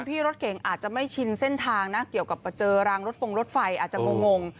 พี่รถเก่งอาจจะไม่ชินเส้นทางนะเกี่ยวกับเจอรางรถฟงรถไฟอาจจะงง